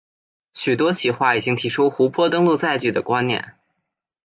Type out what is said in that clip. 许多企划已经提出湖泊登陆载具的观念。